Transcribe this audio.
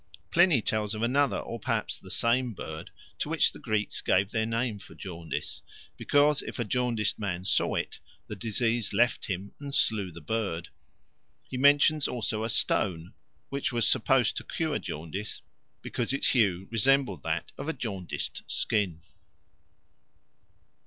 Pliny tells of another, or perhaps the same, bird, to which the Greeks gave their name for jaundice, because if a jaundiced man saw it, the disease left him and slew the bird. He mentions also a stone which was supposed to cure jaundice because its hue resembled that of a jaundiced skin.